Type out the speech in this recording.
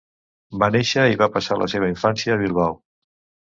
Va néixer i va passar la seva infància a Bilbao.